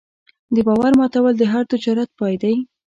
د باور ماتول د هر تجارت پای دی.